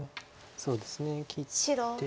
そうですね切って。